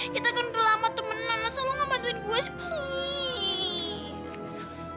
kita kan udah lama temenan masa lo gak bantuin gue sih please